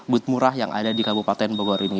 gudmura yang ada di kabupaten bogor ini